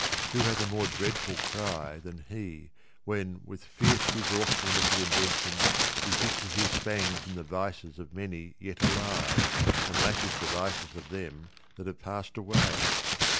Who hath a more dreadful cry than he when with fierce resourcefulness of invention he fixes his fangs in the vices of many yet alive, and lashes the vices of them that have passed away?